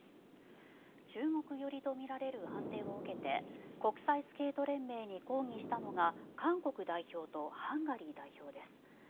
中国寄りとみられる判定を受けて国際スケート連盟に抗議したのが韓国代表とハンガリー代表です。